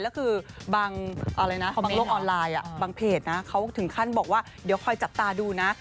แล้วคือบางโลกออนไลน์บางเพจนะเขาถึงขั้นบอกว่าเดี๋ยวคอยจับตาดูนะ